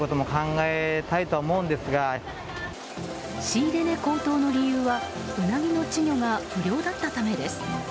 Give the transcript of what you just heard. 仕入れ値高騰の理由はウナギの稚魚が不漁だったためです。